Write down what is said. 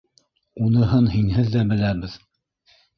Уныһын һинһеҙ ҙә беләбеҙ.